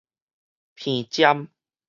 鼻尖